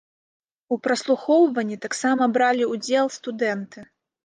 У праслухоўванні таксама бралі ўдзел студэнты.